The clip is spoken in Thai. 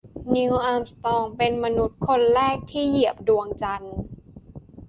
นีล อาร์มสตรองเป็นมนุษย์คนแรกที่เหยียบดวงจันทร์